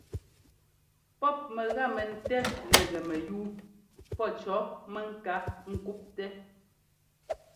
Pɔ́p mɛga mɛntɛ́ nɛgɛ mɛyúu pɔ́ cɔ̌ mɛŋká ŋ́kúptɛ́.